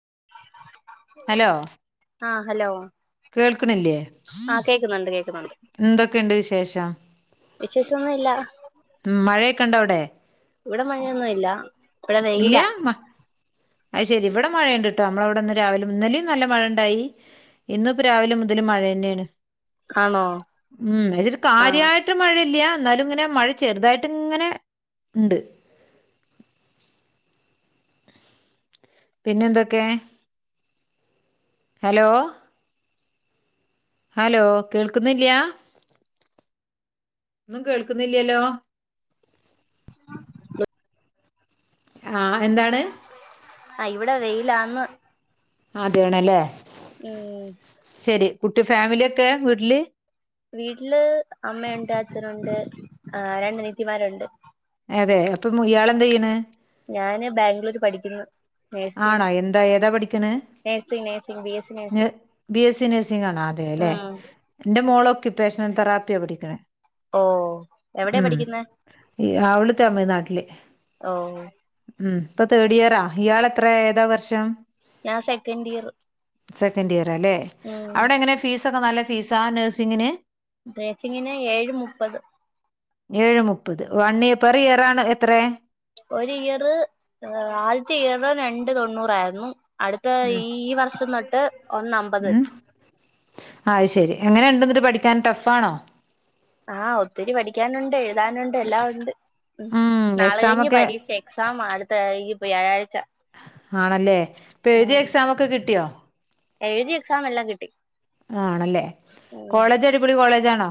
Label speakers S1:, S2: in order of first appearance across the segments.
S1: [inaudible]
S2: Hello
S1: ആഹ hello
S2: കേൾക്കണില്ലേ
S1: ആഹ് കേക്കുന്നുണ്ട് കേക്കുന്നുണ്ട്
S2: എന്തൊക്കെയുണ്ട് വിശേഷം
S1: വിശേഷൊന്നും ഇല്ല
S2: ഉം മഴയൊക്കെ ഉണ്ടോ അവിടെ
S1: ഇവിടെ മഴയൊന്നുല്ല ഇവിടെ
S2: ഇല്ല
S1: വെയിലാ
S2: മ അത് ശരി ഇവിടെ മഴണ്ട് കേട്ടോ നമ്മളവിടെന്ന് രാവിലെ ഇന്നലെയും നല്ല മഴ ഇണ്ടായി ഇന്ന് ഇപ്പ രാവിലെ മുതല് മഴന്നെയാണ്
S1: ആണോ
S2: ഉം അതരു
S1: ആഹ്
S2: കാര്യയിട്ട് മഴയില്ല എന്നാലും ഇങ്ങനെ മഴ ചെറുതായിട്ട് ഇങ്ങനെ ഉണ്ട് പിന്നെന്തൊക്കെ ഹലോ ഹലോ കേൾക്കുന്നില്ലൃ ന്നും കേൾക്കുന്നില്ലല്ലോ
S1: [inaudible]
S2: ആ എന്താണ്
S1: ആ ഇവിടെ വെയിലാന്ന്
S2: അതേണല്ലേ
S1: ഉം
S2: ശരി കുട്ടി ഫാമിലിയൊക്കെ വീട്ടില്
S1: വീട്ടില് അമ്മയുണ്ട് അച്ഛനുണ്ട് ആ രണ്ടനീത്തിമാരുണ്ട്
S2: അതെ അപ്പം ഇയാളെന്തയ്യെണ്
S1: ഞാന് ബാംഗ്ലൂര് പഠിക്കുന്നു നേഴ്സിംഗ്
S2: ആണാ എന്താ ഏതാ പഠിക്കെണ്
S1: nursing nursing S C
S2: B
S1: nursing
S2: B S C നഴ്സിംഗാണൊ അതേലെ
S1: ഉം
S2: ഇൻ്റെ മോള് ക്ട്ട്റേഷനൽ തറാപ്പിയ പഠിക്ക്ണേ
S1: ഓ എവിടെയാ പഠിക്കുന്നെ
S2: ഈ അവള് തമിഴ്നാട്ടില്
S1: ഓഹ്
S2: ഉം ഇപ്പൊ തേർഡിയറാ ഇയാള്ത്ര ഏതാവർഷം
S1: ഞാൻ സെക്കൻഡ് ഇയർ
S2: സെക്കൻഡ്യയറല്ലെ
S1: ഉം
S2: അവിടെങ്ങനെ ഫീസൊക്കെ നല്ല ഫീസാ നഴ്സിംഗിന്
S1: ഡ്രെസിങ്ങിന് ഏഴ് മുപ്പത്
S2: ഏഴെ മുപ്പത് വണ്യപെർ ഏറാണ് എത്രറെ
S1: ഒരു ഇയറ് ആ ആദ്യത്തെ ഇയറ് രണ്ട് തൊണ്ണൂറായിരുന്നു അടുത്ത
S2: ഉം
S1: ഈ ഈ വർഷംതൊട്ട് ഒന്നമ്പത്
S2: ഉം
S1: വെച്ച്
S2: ആ അത് ശരി എങ്ങനെ ണ്ട്ന്നിട്ട് പഠിക്കാൻ ടഫ്ലാണോ
S1: ആ ഒത്തിരി പഠിക്കാനുണ്ട് എഴുതാനുണ്ട് എല്ലാം ഉണ്ട് ഉം
S2: എക്സാം
S1: നാളെഴിഞ്ഞ്
S2: ഒക്കെ
S1: പരീക്ഷ എക്സാമാ അടുത്തഈ വ്യാഴാഴ്ച
S2: ആണല്ലേ ഇപ്പൊഴുതിയ എക്സാമൊക്കെ കിട്ടിയോ
S1: എഴുതിയ എക്സാമല്ലാം കിട്ടി
S2: ആണല്ലേ
S1: ഉം
S2: കോളേജടിപൊളി കോളേജാണോ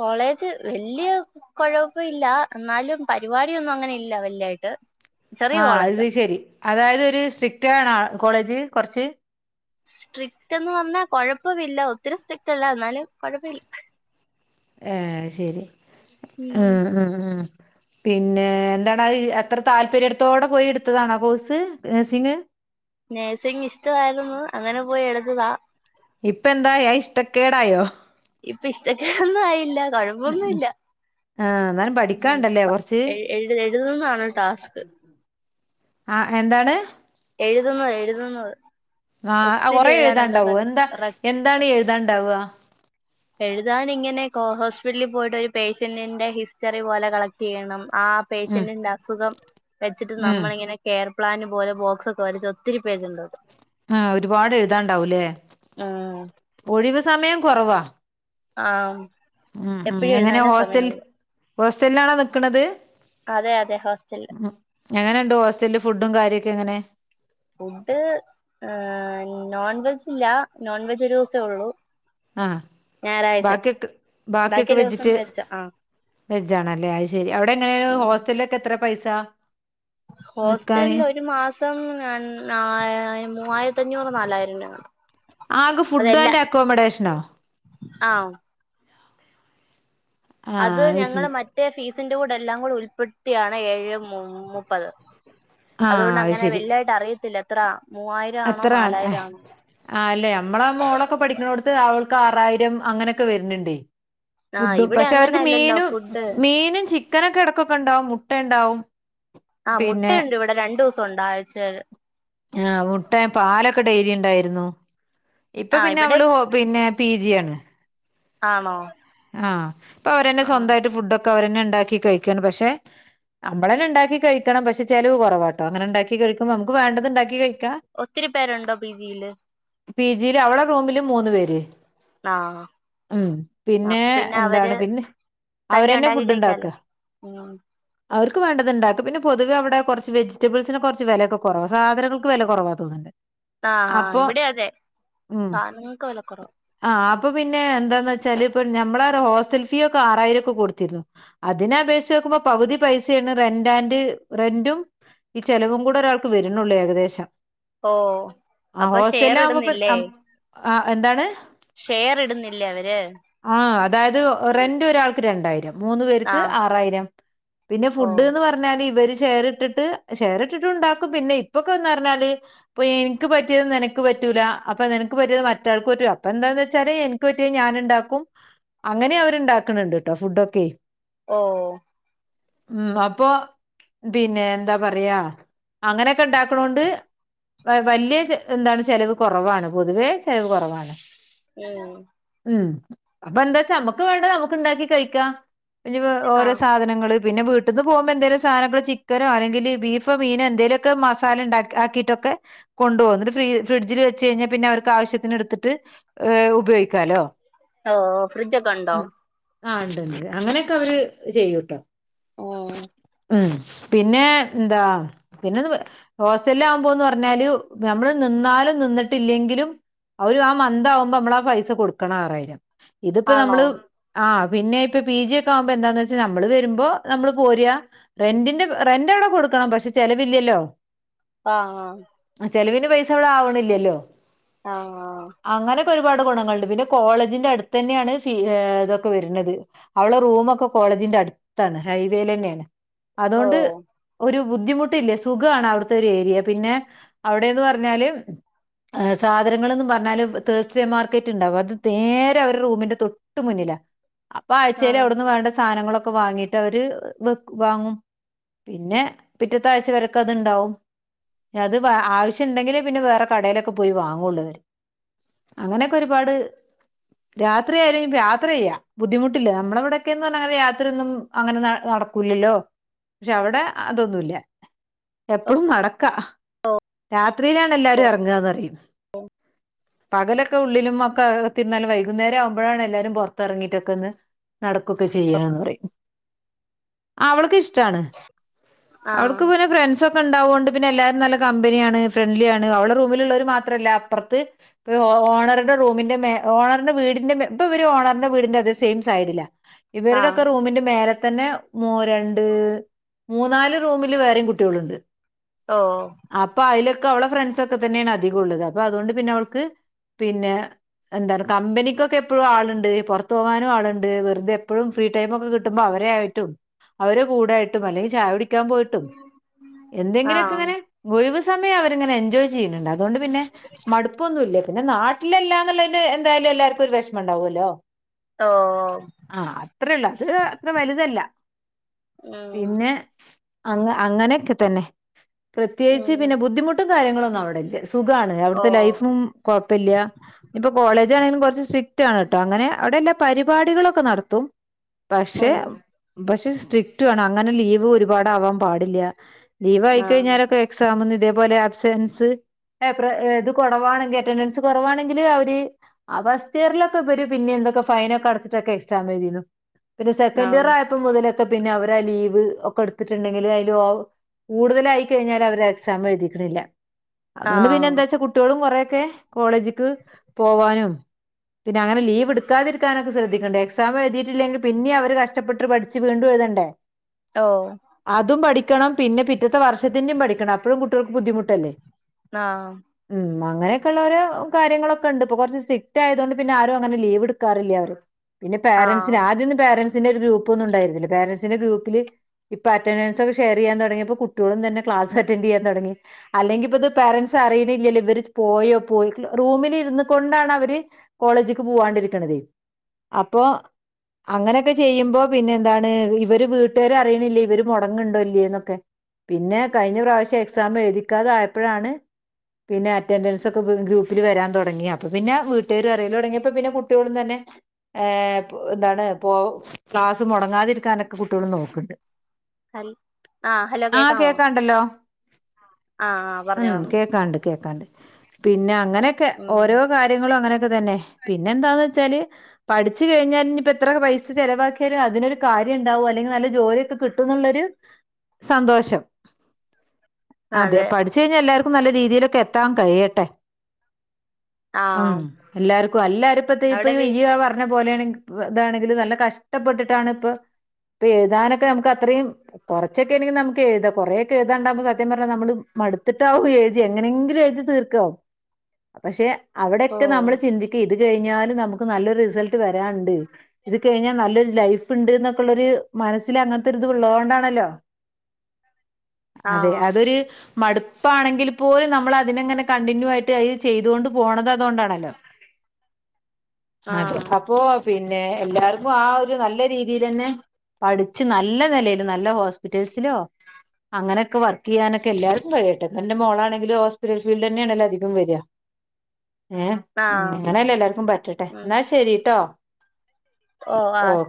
S1: കോളേജ് വല്യ കൊഴപ്പെല്ലാന്നാലും പരിപാടിയൊന്നുംഅങ്ങനെയില്ല വല്യായിട്ട് [inaudible]
S2: ആ
S1: കോളേജാ
S2: അത്ശരി അതായ്തൊര് സ്ട്രിറ്റാണൊ കോളേജ് കൊറ്ച്ച്
S1: സ്ട്രിക്ട്ന്ന്പർഞ്ഞാ കൊഴപ്പമില്ല ഒത്തിരി സ്ട്രിക്ട്ല്ല ന്നാലും കൊഴപ്പില്ല
S2: ഏ ശരി ഉം ഉം ഉം പിന്നെ എന്താണത് അത്ര താല്പര്യട്ത്തോടെ പോയെടുത്തതാണോ കോഴ്സ് നഴ്സിങ്
S1: നഴ്സിങ് ഇഷ്ടമായിരുന്നു അങ്ങനെ പോയി എടുത്തതാ
S2: ഇപ്പ എന്താ ഏ ഇഷ്ടക്കേടായോ
S1: ഇപ്പ ഇഷ്ടക്കേടൊന്നായില്ല കൊഴപ്പൊന്നുല്ല
S2: ആഹ് എന്നാലും
S1: ഉം
S2: പഠിക്കാണ്ടല്ലേ
S1: പ
S2: കൊറച്ച്
S1: എഴ് എഴ് എഴുതുന്നാണ് ടാസ്ക്
S2: ആ എന്താണ്
S1: എഴുതുന്നത് എഴുതുന്നത്
S2: ആ
S1: ഒത്തിരി
S2: കൊറേ
S1: എഴുതാനുണ്ട് റ
S2: എഴുതാണ്ടാവോ എന്താ
S1: റ
S2: എന്താണ് എഴുതാണ്ടാവ
S1: എഴുതാനിങ്ങനെ കൊ ഹോസ്പിറ്റല് പോയിട്ടൊരു പേഷ്യന്നിന്റെ ഹിസ്റ്ററി പോലെ കളക്ട്യ്യണം ആ
S2: ഉം
S1: പേഷ്യന്നിന്റെ അസുഖം വെച്ചിട്ട്
S2: ഉം
S1: നമ്മളിങ്ങനെ കെയർ പ്ലാന് പോലെ ബോക്സൊക്കെ വരച്ച് ഒത്തിരിപേജുണ്ടത്
S2: ആ ഒരുപാട് എഴുതാണ്ടാവൂല്ലേ
S1: ഉം
S2: ഒഴിവ് സമയം കൊറവാ
S1: ആ
S2: ഉം ഉം എങ്ങനെ ഹോസ്റ്റൽ ഹോസ്റ്റലിലാണോ നിക്ക്ണത്
S1: അതെ അതെ ഹോസ്റ്റലില്
S2: മ് എങ്ങനെയുണ്ട് ഹോസ്റ്റലില് ഫുഡും കാര്യക്കെങ്ങനെ
S1: ഫുഡ് ഏ നോൺ വെജ് ഇല്ല നോൺ വെജ് ഒരു ദിവസേ ഉള്ളൂ
S2: ആ
S1: ഞായറാഴ്ച
S2: ബാക്കിയൊക്കെ
S1: ബാക്കി
S2: ബാക്കിയൊക്കെ
S1: എല്ലാ ദിവസം
S2: വെജിറ്റ്
S1: വെജ് ആ
S2: വെജ ആണല്ലേ അയ് ശരി അവിടെ എങ്ങനെയ ഒരു ഹോസ്റ്റലില ഒക്കെ എത്ര പൈസ നിക്കാന്
S1: ഹോസ്റ്റല ഒരു മാസം മൂവായിരത്തി പത്തഞ്ഞൂറ് നാലായിരം രാണ്
S2: ആകെ ഫുഡ് ആൻഡ് അക്കോമഡേഷനോ
S1: ആഹ്
S2: ആ
S1: അത് ഞങ്ങള്ൾ
S2: ശരി
S1: മറ്റേ ഫീസിന്റെറെ കൂടെ എല്ലാം കൂടെ ഉപ്പെടുത്തിയാണ് ഏഴ് മുപ്പത്
S2: ആ
S1: അതുകൊണ്ട് അങ്ങനെ വെലുയിട്ട് അറിയത്തില്ല എത്ര മൂവായിരം ആണോ
S2: അത്രാണ്
S1: നാലായിരം ആണോ
S2: ആ അല്ലേ നമ്മളെ മോളൊക്കെ പഠിക്കണോടുത്ത് അവ ആറായിരം അങ്ങനെയൊക്കെ വരുന്നുണ്ട്
S1: ആഹ്
S2: ഫുഡും
S1: ഇവിടെ
S2: പക്ഷെ
S1: അങ്ങനെ
S2: അവർക്ക്
S1: അല്ലല്ലോ
S2: മീനും
S1: ഫുഡ്
S2: മീനും ചിക്കനൊക്കെ ഇടക്കൊക്കെ ഉണ്ടാവും മുട്ട ഉണ്ടാവും
S1: ആ
S2: പിന്നെ
S1: മുട്ടയുണ്ട് ഇവിടെ രണ്ടു ദിവസം ഉണ്ട ആഴ്ചൽ
S2: ആ മുട്ട പാലൊക്കെ ഡേലി ഉണ്ടായിരുന്നു ഇപ്പൊ
S1: ആഹ്
S2: പിന്നെ
S1: ഇവിടെ
S2: അവള് പിന്നെ പി ജി ആണ്
S1: ആണോ
S2: ആ അപ്പൊ അവര്ന്നെ
S1: ആഹ്
S2: സ്വന്തമായിട്ട് ഫുഡൊക്കെ അവരന്നെ ഉണ്ടാക്കി കഴിക്കാണ് പക്ഷെ നമ്മള തന്നെ ഉണ്ടാക്ക കഴിക്കണം പക്ഷെ ചെലവ കുറവാട്ടോ അങ്ങനെണ്ടാക്കി കഴിക്കുമ്പോൾ നമുക്ക് വേണ്ടത് ഉണ്ടാക്കി കഴിക്കും
S1: ഒത്തിരി പേരുണ്ടോ പിജിയില്
S2: പി ജിൽ അവളെ റൂമില് മൂന്ന്പേര്
S1: ആ
S2: പിന്നെ എന്താണ് പിന്നെ
S1: തന്നെ
S2: അവരെന്നെ
S1: ഉണ്ടാക്കി
S2: ഫുഡ്
S1: കഴിക്കാലോ
S2: ഉണ്ടാക്കുക
S1: ഉം
S2: അവർക്ക് വേണ്ടത് ഉണ്ടാക്കും പിന്നെ പൊതുവവിടെ കുറച്ച് വെജിറ്റബിൾസിന് കുറച്ച് വിലയക്കെ കുറവാ സാധനങ്ങൾക്ക് വില കുറവാ തോന്നുന്നുണ്ട്
S1: ആ ആ
S2: അപ്പൊ
S1: ഇവിടെ അതെ
S2: ഉം
S1: സാധനങ്ങക്ക് വല കുറവ
S2: ആഹ് അപ്പൊ പിന്നെ എന്താച്ച പ്പോ നമ്മള ഹോസ്റ്റൽ ഫീ ഒക്കെ ആറായിരം ഒക്കെ കൊടുത്തിരുന്നു അതിനെ അപേക്ഷിച്ച് നോക്ക്പോ പകുതി പൈസ റെന്റ് ആൻഡറ് റെന്റും ഈ ചെിലവും കൂടെ ഒരാൾക്ക് വരുന്നുള്ളൂ ഏകദേശം
S1: ഓ
S2: ആ
S1: അപ്പൊ ഷെയർ
S2: ഹോസ്റ്റലിൽ ആകുമ്പോ
S1: ഇടുന്നില്ലേ
S2: ആ
S1: ഷെയർ ഇടുന്നില്ലേ അവര്
S2: ആഹ് അതായത് റെന്റ് ഒരാൾക്ക് രണ്ടായിരം മൂന്ന് പേർക്ക്
S1: ആഹ്
S2: ആറായിരം പിന്നെ
S1: ഓ
S2: ഫുഡ് ന്ന് പറഞ്ഞാല് ഇവര് ഷെയർ ഇട്ടിട്ട് ഷെയറിട്ടിട്ട് ഉണ്ടാക്കും പിന്നെ ഇപ്പൊക്കെന്ന് പറഞ്ഞാല് ഇപ്പൊ എനിക്ക് പറ്റിയ നിനക്ക് പറ്റ പറ്റൂലാ അപ്പ നിനക്ക് പറ്റിയത് മറ്റാൾക്ക് പറ്റ അപ്പ എന്താന്ന് വെച്ചാല് എനിക്ക് പറ്റിയ ഞാന് ണ്ടാക്കും അങ്ങനെ അവരുണ്ടാക്കണണ്ട് കേട്ടോ ഫുഡൊക്കെ
S1: ഓ
S2: ഉം അപ്പൊ പിന്നെ എന്താ പറയാ അങ്ങനെയൊക്കെ ഇണ്ടാക്കണോണ്ട് വലിയ എന്താണ് ചെലവ് കുറവാണ് പൊതുവേ ചെലവ് കുറവാണ്
S1: ആഹ്
S2: ഉം അപ്പ എന്താ വെച്ചാ നമ്മുക്ക് വേണ്ട നമുക്ക് ണ്ടാക്കി കഴിക്കാം ഈ ഓരോ
S1: ആഹ്
S2: സാധനങ്ങള് പിന്നെ വീട്ട്ന്ന് പോകുമ്പോ എന്തേലും സധനങ്ങള് ചിക്കനോ അല്ലെങ്കില് ബീഫോ മീനോ എന്തെലൊക്കെ മസാല ഉണ്ടാക്ക ആക്കീയിട്ടൊക്കെ ക്ക കൊണ്ടുപോം അന്നിട്ട് ഫ്രിഡ്ജിൽ വെച്ച് കഴിഞ്ഞാൽ പിന്നെ അവർക്ക് ആവിശ്യത്തിനെടുത്തിട്ട് ഉപയോഗിക്കാലോ.
S1: ആഹ് ഫ്രിഡ്ജൊക്കെ ഉണ്ടോ
S2: ഉം. ആ ഉണ്ട് ണ്ട് അങ്ങനെയൊക്കെ അവര് ചെയ്യൂട്ടോ.
S1: ഉം
S2: ഉ പിന്നെ എന്താ പിന്നെ ഹോസ്റ്റല് ആകുമ്പോന്ന് പറഞ്ഞാല് നമ്മൾ നിന്നാലും നിന്നിട്ടില്ലെങ്കിലും ആ ഒര് ആ മന്ത് ആവുമ്പൊ അമ്മള് ആ പൈസ കൊടു ക്കണം ആറായിരം ഇത്പ്പോ
S1: ആണോ
S2: നമ്മള് ആഹ് പിന്നെ ഇപ്പൊ പി ജി ഒക്കെ ആവുമ്പോ എന്താന്ന് വെച്ചാ നമ്മള് വരുമ്പോ നമ്മള് പോര റെന്റിന്റെ റെന്റ് അവടെ കൊട് ക്കണം പക്ഷെ ചെലവില്ല്യല്ലോ
S1: ആഹ് ആഹ്
S2: ചെലവിന് പൈസ അവടെ ആ വ്ണില്ല്യല്ലോ
S1: ആഹ്
S2: ഇക്കൊരുപാട് ഗുണങ്ങള്ണ്ട് പിന്നെ കോളജിന്റെ അടുത്ത് തന്നെയാണ് ഫീ ഏഹ് ഇതൊക്കെ വെര്ണത് അവളെ റൂമൊക്ക കോളേജിന്റെ അട്ത്താണ് ഹൈവേലന്നേണ്
S1: ഓ
S2: അതോണ്ട് ഒരു ബുദ്ധിമുട്ടില്യ സുഖാണ് അവിടുത്തെ ഒരു ഏരിയ പിന്നേ അവടേന്ന് പറഞ്ഞാല് ഏഹ് സാധനങ്ങള്ന്ന് പറഞ്ഞാല് തേഴ്സ്ഡേ മാർക്കറ്റ് ഇണ്ടാവും അത് തേരെ അവരെ റൂമിന്റെ തൊട്ട് മുന്നിലാ അപ്പൊ ആഴ്ച്ചേല്
S1: ആഹ്
S2: അവിടുന്ന് വേണ്ട സാനങ്ങളൊ ക്കെ വാങ്ങീട്ട് അവര് വെക്ക് വാങ്ങും. പിന്നേ പിറ്റത്താഴ്ച വരക്കത്ണ്ടാവും. അത് വ ആവശ്യണ്ടെങ്കിലേ പിന്നെ വേറെ കടേലൊക്കെ പോയി വാങ്ങൊള്ളൂ അവര് അങ്ങനെക്കെ ഒരുപാട് രാത്രിയായാലും ഇഞ്പ്പ യാത്ര ചെയ്യാ ബുദ്ധിമുട്ടില്ല നമ്മളവിടെക്കേന്ന് പറഞ്ഞ അങ്ങനെ രാത്രിയൊന്നും അങ്ങനെ ന നടക്കൂൽ ഇല്ലോ പക്ഷേ അവ്ടെ അ അതൊന്നും ഇല്ല എപ്പളും നട ക്ക രാത്രിയിലാണ് എല്ലാരും എറങ്ങാന്നറിയും. പകലൊക്കെ ഉള്ളിലും ഒക്കെ തിര്ന്നാലും വൈകുന്നേരം ആവുമ്പഴാണ് എല്ലാരും പൊറത്തെറങ്ങീട്ടക്കെന്ന് നടക്കൊക്കെ ചെയ്യാന്ന് പറയും ആഹ് അവള്ക്ക് ഇഷ്‌ ടാണ് അവൾക്ക്
S1: ആഹ്
S2: പിന്നെ ഫ്രെൺസൊ ക്കെണ്ടാവോണ്ട് പിന്നെ എല്ലാരും നല്ല കമ്പനിയാണ് ഫ്രണ്ട്ലി ആണ് അവളെ റൂമില്ള്ളോര് മാത്രല്ല അപ്പറത്ത് ഇപ്പ ഹോ ഓണറുടെ റൂമിന്റെ മേ ഓണറിന്റെ വീടിന്റെ മെ ഇപ്പ ഇവര് ഓണറിന്റെ വീടിന്റെ ഇപ്പം ഇവര് ഓണറിന്റെ വീടിന്റെ അതേ സെയിം സൈഡിലാ ഇവരുടെയൊക്കെ
S1: ആഹ്
S2: റൂമിന്റെ മേല തന്നെ മോ രണ്ട് മൂന്നാല് റൂമില് വേറെയും കുട്ടി ഒളുണ്ട്
S1: ഓ
S2: അപ്പൊ അയില് ക്കെ അവളെ ഫ്രണ്ട്സ് ഒക്കെ തന്നെയാണ് അധികം ഉള്ളത് അപ്പൊ അതുകൊണ്ട് പിന്നെ അവൾക്ക് പിന്നെ എന്താണ് കമ്പനിക്കൊക്കെ എപ്പഴും ആളുണ്ട് ഈ പൊറത്ത് പോകാനും ആളോണ്ട് വെറുതെ എപ്പോഴും ഫ്രീ ടൈം ഒക്കെ കിട്ടുമ്പം അവ വരെ ആയിട്ടും അവര് കൂടെ ആയിട്ടും അല്ലെങ്കി ചായ കുടി ക്കാം പോയിട്ടും എന്തെങ്കിലൊക്കെ
S1: ആഹ്
S2: ഇങ്ങനെ വൊഴിവ് സമയം അവര്ങ്ങനെ എൻജോയ് ചെയ്യുന്നുണ്ട് അ തോണ്ട് പിന്നെ മടുപ്പൊന്നും ഇല്ല പിന്നെ നാട്ടിലല്ലാ എന്നുള്ളൊ ഇട് എന്തായാലും എല്ലാർക്കും ഒരു വെഷ്മണ്ടാവുവല്ലോ
S1: ഓ
S2: ആണോ അത്രയൊള്ള അത് അത്ര വലുതല്ല
S1: ഉം
S2: പിന്നെ അങ്ങ അങ്ങനെയൊക്കെ തന്നെ പ്രത്യേകിച്ച്
S1: ഉം
S2: പിന്നെ ബുദ്ധിമുട്ടും കാര്യങ്ങളൊന്നും അവിടെ ഇല്ല സ് സുഖാണ്
S1: ഓ
S2: അവിടുത്തെ ലൈഫും കൊഴപ്പല്ല്യാ കോളേജാണെങ്കിലും കൊറച്ച് സ്ട്രിക്ടാണ് കേട്ടോ അങ്ങനെ അവിടെ എല്ലാ പരിപാടികളൊക്കെ നടത്തും പക്ഷേ
S1: ഉം
S2: പക്ഷെ സ്ട്രിക്ടും ആണ് അങ്ങനെ ലീവ് ഒരുപാടാവാം പാടില്യാ ലീവ്
S1: ആഹ്
S2: ആയിക്കഴിഞ്ഞാലൊക്കെ എക്സാമന്ന്തി അതേപോലെ ആബ്സെൻസ് [unintelligible] കൊടവാണെങ്കിൽ അറ്റെന്റൻസ് കൊറവാണെങ്കില് അവ് ആ ഫസ്റ്റ് ഇയറിലൊക്കെ ഇവര് പിന്നെ എന്തൊക്ക ഫൈനക്ക അടച്ചിട്ടൊക്കെ എക്സാം എഴുതീത് പിന്നെ സെക്കന്റ് ഇയർ
S1: ആഹ്
S2: ആയപ്പോ മുതലൊക്കെ പിന്നെ അവരാ ലീവ് ഒക്കെ എടുത്തിട്ടുണ്ടെങ്കില് അയില് ഓ കൂടുതലായി കഴിഞ്ഞാല് അവര് എക്സാം എഴുതിക്കണില്ല അതുകൊണ്ട് പിന്നെ
S1: ആഹ്
S2: എന്താ ച്ചാ കുട്ടികളും കൊറേയക്കേ കോളേജിക്ക് പോവാനും പിന്നെ അങ്ങനെ ലീവ് എടുക്കാതിരിക്കാനൊക്കെ ശ്രദ്ധിക്കണ്ട് എക്സാമ് എഴുതീട്ടില്ലെങ്കി പിന്നെ അവര് കഷ്ടപ്പെട്ട് പഠിച്ച് വീണ്ടും എ ഇതണ്ടേ
S1: ഓ
S2: അതും പഠിക്കണം പിന്നെ പിറ്റത്തെ വർഷത്തിന്റേം പഠിക്കണം അപ്പഴും കുട്ടികൾക്ക് ബുദ്ധിമുട്ടല്ലേ
S1: ആ ആ
S2: അങ്ങനെയൊക്കെയള്ള ഒരോ കാര്യങ്ങളൊക്കണ്ട് ഇപ്പൊ കൊറച്ച് സ്ട്രിക്ട് ആയതുകൊണ്ട് പിന്നെ ആരും അങ്ങനെ ലീവെടുക്കാറില്യാ ആരും പിന്നെ
S1: ആഹ്
S2: പാരന്റ്സിന് ആദ്യം ഒന്നും പാരന്റ്സിന്റെ ഒരു ഗ്രൂപ്പ് ഒന്നും ഉണ്ടരുന്നില്ല പാരന്റ്സിന്റെ ഗ്രൂപ്പില് ഇപ്പ അറ്റന്റൻസ് ഒക്കെ ഷെയർ ചെയ്യാൻ തൊടങ്ങിയപ്പൊ കുട്ടികളും തന്നെ ക്ലാസ് അറ്റന്റ് ചെയ്യാ തൊടങ്ങി അല്ലെങ്കിപ്പത് പാരന്റ്സ് അറിയണില്ലല്ലോ ഇവര് ച് പോയോ പോയിക്ക്ള് റൂമിലി ര്ന്ന് കൊണ്ടാണ് അവര് കോളേജിക്ക് പോവാണ്ടിരിക്കണത് അപ്പോ അങ്ങനെയൊക്കെ ചെയ്യുമ്പൊ പിന്നെന്താണ് ഇവര് വീട്ട് രറീണില്ലെ ഇവര് മൊടങ്ങ്ണ്ണ്ടോ ഇല്ലേന്നൊക്കെ പിന്നെ കഴിഞ്ഞ പ്രാവശ്യം എക്സാമെഴ്തിക്കാത ആയപ്പഴാണ് പിന്നെ അറ്റൻഡൻസൊക്കെ ഗ്രൂപ്പില് വരാൻ തൊ തൊടങ്ങി അപ്പൊ പിന്നെ വീട്ടേരു അറീലൊടങ്ങീപ്പൊ പിന്നെ കുട്ടീളും തന്നെ ഏ പൊ ന്താണ് പോ ക്ലാസ് മൊടങ്ങാതിരിക്കാനൊക്കെ കുട്ടീള് നോക്ക്ണ്ണ്ട്
S1: ഹൽ ആഹ് ഹലോ
S2: ആ
S1: കേക്കാമോ
S2: കേക്കാണ്ടല്ലൊ
S1: ആഹ് ആഹ്
S2: ഉം
S1: പറഞ്ഞോ പറഞ്ഞോ
S2: കേക്കാണ്ട് കേക്കാണ്ട് പിന്നെ അങ്ങനൊക്കെ ഓരോ
S1: ഉം
S2: കാര്യങ്ങളും അങ്ങനെ തന്നെ പിന്നെന്താന്നച്ചാല് പഠിച്ച് കഴിഞ്ഞ ഞിപ്പെത്ര പൈസ ചെലവാക്കിയാലും അതിനൊരു കാ കാര്യണ്ടാവൊ? അല്ലെങ്കി നല്ല ജോലിക്കെ കിട്ടുന്നുള്ളൊരു സന്തോഷം അതെ പഠിച്ചഴിഞ്ഞ എല്ലാർക്കും നല്ല രീതിയിലൊക്കെ എത്താ കഴിയട്ടെ ഉം
S1: ആഹ്
S2: എല്ലാർക്കും എല്ലാറും ഇപ്പതെ
S1: അവിടെ
S2: ഇപ്പയ്
S1: വീ
S2: ഇയ്യ പറഞ്ഞ പോലെയാണെ ഇതാണെങ്കിലും നല്ല കഷ്ടപ്പെട്ട്ട്ടാണ്പ്പൊ ഇപ്പൊ എഴുതാനൊക്കെ ഞമ്ക്ക് അത്രേം. കൊറച്ചൊക്കെണ്ടെങ്കി നമ്ക്ക് എഴ്ത. കൊറേക്കെ എഴ്താണ്ടകുമ്പൊ സത്യം പറഞ്ഞ നമ്മള് മട്ത്തിട്ടാവും എഴ്തി എങ്ങനെങ്കിലും എഴ്തി തീർക്കാവും പഷെ
S1: ഓ
S2: അവ്ടൊക്കെ നമ്മള് ചിന്തിക്കി ഇത് കഴിഞ്ഞാലും നമ്ക്ക് നല്ലൊരു റിസൽട്ട് വരാന്ണ്ട് ഇത് കഴിഞ്ഞ നല്ലൊരു ലൈഫ് ഇണ്ട്ന്നൊക്കള്ളൊര് എന്നൊക്കുള്ളരു മനസ്സില് അങ്ങൻത്തൊര്ത് ഉള്ളതോണ്ടാണല്ലൊ അതെ
S1: ആഹ്
S2: അതൊരു മടുപ്പാണെങ്കിൽ പോലും നമ്മളതിനങ്ങനെ കണ്ടിന്യൂ ആയിട്ട് അയ് ചെയ്തോണ്ട് പോണത് അതോണ്ടാണലൊ അതെ
S1: ആഹ്
S2: അപ്പോ പിന്നെ എല്ലാർക്കു ആ ഒരു നല്ല രീതിയിലന്നെ പഠിച്ച് നല്ല നെലയില് നല്ല ഹോസ്പിറ്റേൽസിലൊ അങ്ങനൊക്കെ വർക്കീയ്യാനൊക്കെ എല്ലാർക്കും കയ്യട്ടെ. എന്റെ മോളാണെങ്കിലും ഹോസ്പിറ്റൽ ഫീൽഡന്നാണല്ലൊ അധികം വര ഏ ഉം
S1: ആഹ്
S2: ഇങ്ങനെല്ലെ എല്ലാർക്കു പറ്റട്ടെ
S1: ഉം
S2: ന്നാ ശരിട്ടൊ
S1: ഓ ആ ശ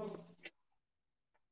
S2: ഉം